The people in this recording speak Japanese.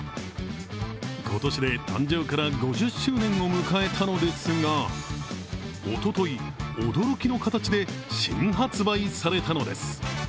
今年で誕生から５０周年を迎えたのですがおととい、驚きの形で新発売されたのです。